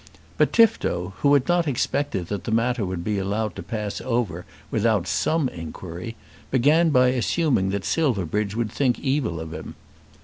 But Tifto, who had not expected that the matter would be allowed to pass over without some inquiry, began by assuming that Silverbridge would think evil of him.